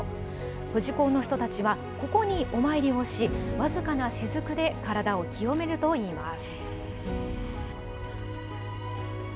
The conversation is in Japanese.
富士講の人たちは、ここにお参りをし、僅かなしずくで体を清めるといいます。